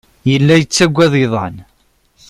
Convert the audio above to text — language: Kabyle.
Yella yettaggad iḍan.